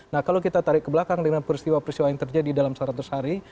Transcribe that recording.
nah kalau kita tarik ke belakang dengan peristiwa peristiwa yang terjadi dalam seratus hari